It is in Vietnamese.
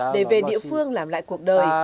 để về địa phương làm lại cuộc đời